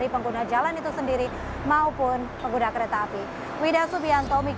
pengguna jalan itu sendiri maupun pengguna kereta api